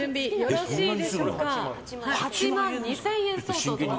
８万２０００円相当です。